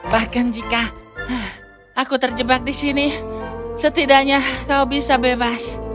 bahkan jika aku terjebak di sini setidaknya kau bisa bebas